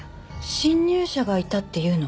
侵入者がいたっていうの？